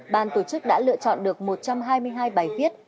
ban tổ chức đã lựa chọn được một trăm hai mươi hai bài viết